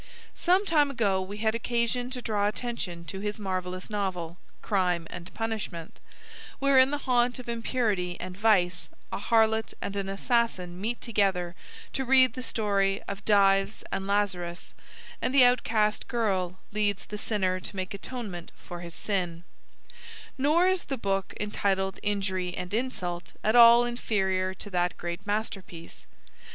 Some time ago we had occasion to draw attention to his marvellous novel Crime and Punishment, where in the haunt of impurity and vice a harlot and an assassin meet together to read the story of Dives and Lazarus, and the outcast girl leads the sinner to make atonement for his sin; nor is the book entitled Injury and Insult at all inferior to that great masterpiece.